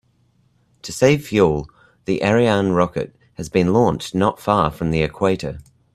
To save fuel, the Ariane rocket has been launched not far from the equator.